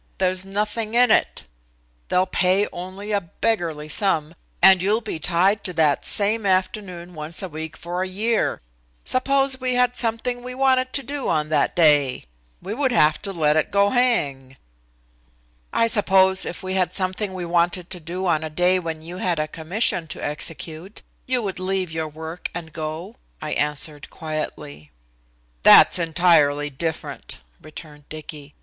There's nothing in it. They'll pay only a beggarly sum, and you'll be tied to that same afternoon once a week for a year. Suppose we had something we wanted to do on that day? We would have to let it go hang." "I suppose if we had something we wanted to do on a day when you had a commission to execute you would leave your work and go," I answered quietly. "That's entirely different," returned Dicky.